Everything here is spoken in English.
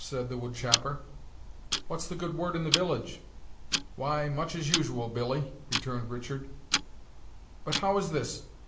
said the wood chopper; "what's the good word in the village?" "Why, much as usual, Billy," returned Richard. "But how is this?